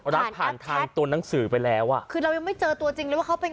รักผ่านทางตัวหนังสือไปแล้วอ่ะคือเรายังไม่เจอตัวจริงเลยว่าเขาเป็น